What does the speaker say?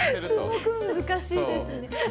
すごく難しいですね。